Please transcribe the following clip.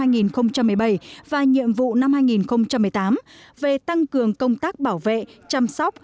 năm hai nghìn một mươi bảy và nhiệm vụ năm hai nghìn một mươi tám về tăng cường công tác bảo vệ chăm sóc